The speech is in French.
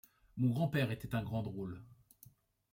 Mon grand-père était un grand drôle.